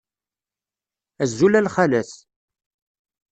Azul a lxalat.